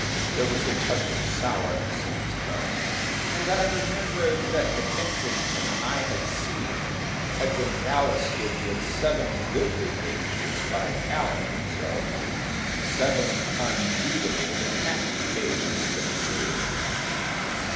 There was a touch of sourness in his tone, and I remembered that the Kensington I had seen had been ballasted with seven goodly pages by Callan himself seven unreadable packed pages of a serial.